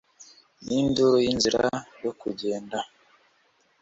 n'induru ya inzira yo kugenda!